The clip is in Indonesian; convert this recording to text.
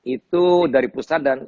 itu dari pusat dan